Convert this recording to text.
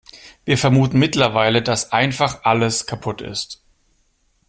Wir vermuten mittlerweile, dass einfach alles kaputt ist.